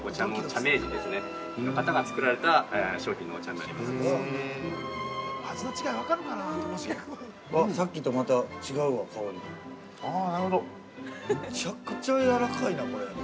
◆めちゃくちゃやわらかいなこれ。